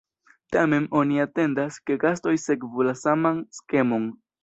Tamen, oni atendas, ke gastoj sekvu la saman skemon.